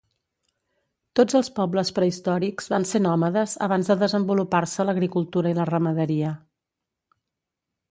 Tots els pobles prehistòrics van ser nòmades abans de desenvolupar-se l'agricultura i la ramaderia.